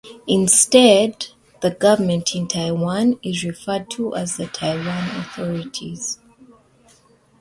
Instead, the government in Taiwan is referred to as the "Taiwan authorities".